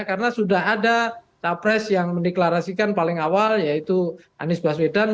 karena sudah ada cawapres yang mendeklarasikan paling awal yaitu anies baswedan